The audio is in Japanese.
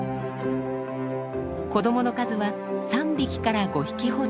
子どもの数は３匹から５匹ほど。